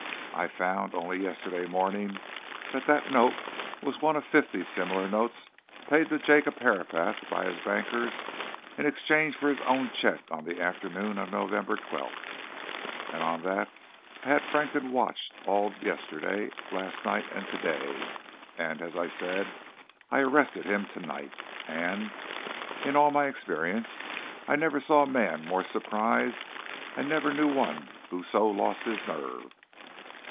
I found, only yesterday morning, that that note was one of fifty similar notes paid to Jacob Herapath by his bankers in exchange for his own cheque on the afternoon of November 12th. And, on that, I had Frankton watched all yesterday, last night, and today, and as I said, I arrested him tonight and, in all my experience I never saw a man more surprised, and never knew one who so lost his nerve."